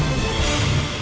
terima kasih mas